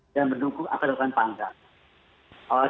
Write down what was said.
dan mendukung atas pandangan